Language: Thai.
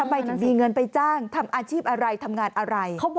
ทำไมถึงมีเงินไปจ้างทำอาชีพอะไรทำงานอะไร